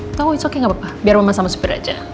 it's okay nggak apa apa biar mama sama sepeda aja